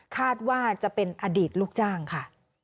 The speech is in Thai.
คาดว่าจะเป็นอดีตลูกจ้างค่ะ